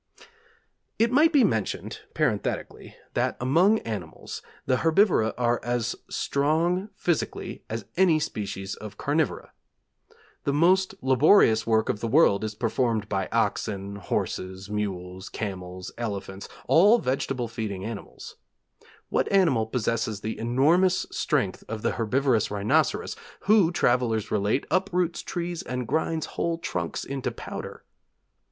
It might be mentioned, parenthetically, that among animals, the herbivora are as strong physically as any species of carnivora. The most laborious work of the world is performed by oxen, horses, mules, camels, elephants, all vegetable feeding animals. What animal possesses the enormous strength of the herbivorous rhinoceros, who, travellers relate, uproots trees and grinds whole trunks to powder?